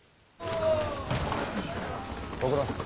ご苦労さん。